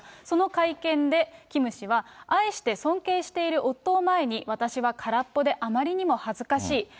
その会見でキム氏は、愛して尊敬している夫を前に、私は空っぽであまりにも恥ずかしい。